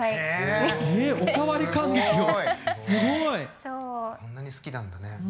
そんなに好きなんだね。